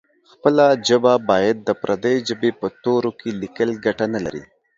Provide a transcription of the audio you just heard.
خپله ژبه باید د پردۍ ژبې په تورو کې لیکل ګټه نه لري.